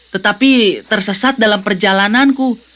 tetapi tersesat dalam perjalananku